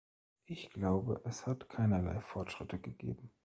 Ich glaube, es hat keinerlei Fortschritte gegeben.